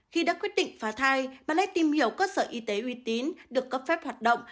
khi đã quyết định phá thai bà let tìm hiểu cơ sở y tế uy tín được cấp phép hoạt động